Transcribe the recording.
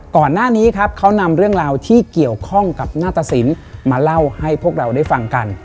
ก่อนหน้านี้ครับเขานำเรื่องราวที่เกี่ยวข้องกับหน้าตะสินมาเล่าให้พวกเราได้ฟังกัน